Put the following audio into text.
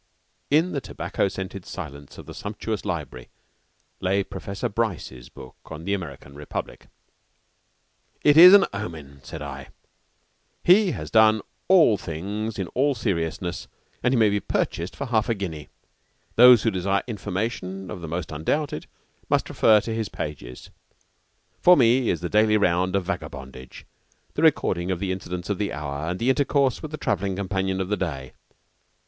In the tobacco scented silence of the sumptuous library lay Professor Bryce's book on the American Republic. "It is an omen," said I. "He has done all things in all seriousness, and he may be purchased for half a guinea. Those who desire information of the most undoubted, must refer to his pages. For me is the daily round of vagabondage, the recording of the incidents of the hour and intercourse with the travelling companion of the day.